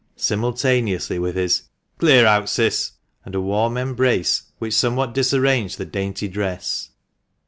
" simultaneously with his " Clear out, Cis !" and a warm embrace which somewhat disarranged the dainty dress.